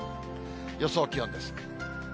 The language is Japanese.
予想気温です。